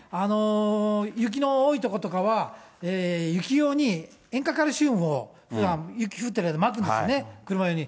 雪の多い所とかは雪用に塩化カルシウムをふだん、雪降ってる間、まくんですね、車用に。